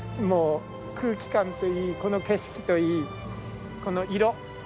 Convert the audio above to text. もう空気感といいこの景色といいこの色。